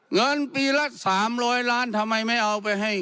เงินบีละสามล้อยล้านทำไมไม่เอาไปให้